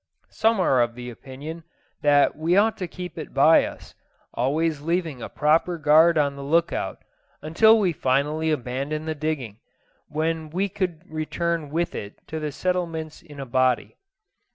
Some are of the opinion that we ought to keep it by us, always leaving a proper guard on the look out, until we finally abandon the digging, when we could return with it to the settlements in a body.